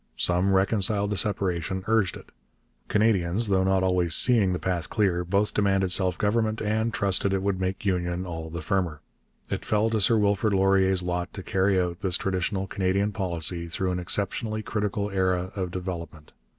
Some, reconciled to separation, urged it. Canadians, though not always seeing the path clear, both demanded self government and trusted it would make union all the firmer. It fell to Sir Wilfrid Laurier's lot to carry out this traditional Canadian policy through an exceptionally critical era of development.